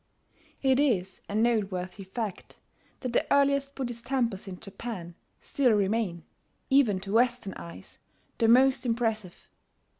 It is a noteworthy fact that the earliest Buddhist temples in Japan still remain, even to Western eyes, the most impressive.